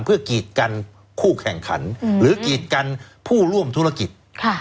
เพื่อกีดกันคู่แข่งขันหรือกีดกันผู้ร่วมธุรกิจ